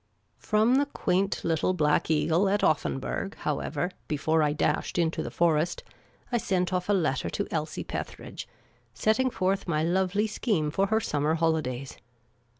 From the quaint little Black Eagle at Offenburg, however, before I dashed into the Forest, I sent off a letter to Elsie Petheridge, setting forth my lovely scheme for her sunnner holidays.